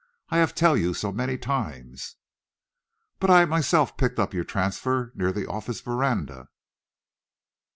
I have tell you so many times." "But I myself picked up your transfer near the office veranda."